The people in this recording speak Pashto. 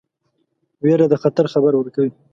ویره د خطر خبر ورکوي.